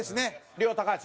両高橋。